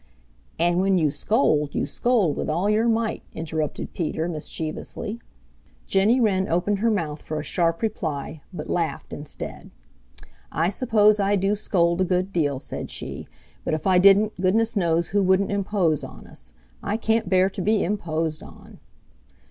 "And, when you scold you scold with all your might," interrupted Peter mischievously. Jenny Wren opened her mouth for a sharp reply, but laughed instead. "I suppose I do scold a good deal," said she, "but if I didn't goodness knows who wouldn't impose on us. I can't bear to be imposed on."